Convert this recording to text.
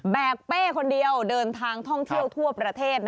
กเป้คนเดียวเดินทางท่องเที่ยวทั่วประเทศ